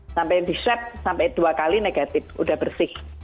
sampai di swab sampai dua kali negatif udah bersih